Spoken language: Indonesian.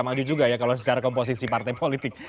maju juga ya kalau secara komposisi partai politik